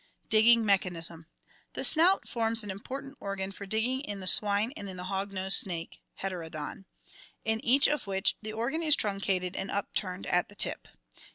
Digging Mechanism. — The snout forms an important organ for digging in the swine and in the hog nosed snake (Heterodon), in each of which the organ is truncated and upturned at the tip.